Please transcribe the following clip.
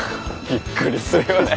びっくりするよね。